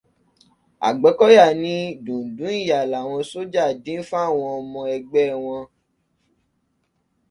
Àgbẹ́kọ̀yà ní dùǹdú ìyà làwọn ṣọ́jà dín fáwọn ọmọ ẹgbẹ́ wọn.